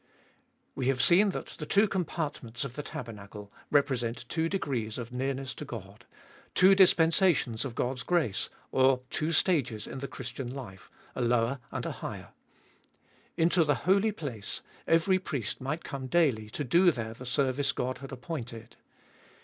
We have seen that the two compartments of the taber nacle represent two degrees of nearness to God, two dis fcbe ibolfest ot ail 239 pensations of God's grace, or two stages in the Christian life, a lower and a higher. Into the Holy Place every priest might come daily to do there the service God had appointed.